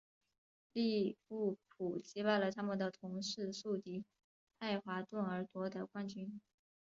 利物浦击败了他们的同市宿敌爱华顿而夺得冠军。